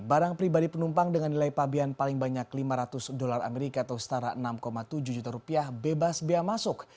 barang pribadi penumpang dengan nilai pabian paling banyak lima ratus dolar amerika atau setara enam tujuh juta rupiah bebas bea masuk